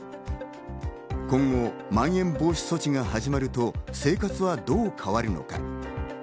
今後、まん延防止措置が始まると生活はどう変わるのか。